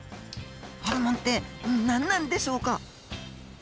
ホルモンって何なんでしょうか？